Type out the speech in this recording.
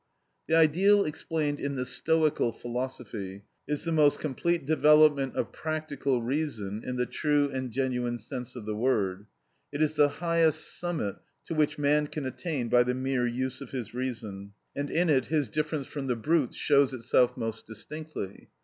The ideal explained in the Stoical philosophy is the most complete development of practical reason in the true and genuine sense of the word; it is the highest summit to which man can attain by the mere use of his reason, and in it his difference from the brutes shows itself most distinctly.